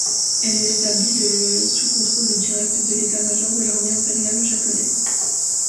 Elle est rétablie le sous le contrôle direct de l'État-major de l'armée impériale japonaise.